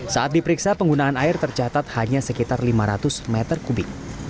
saat diperiksa penggunaan air tercatat hanya sekitar lima ratus meter kubik